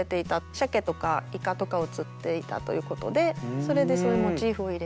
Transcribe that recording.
シャケとかイカとかを釣っていたということでそれでそういうモチーフを入れて。